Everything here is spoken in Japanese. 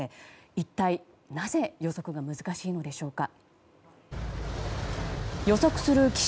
一体なぜ予測が難しいのでしょうか。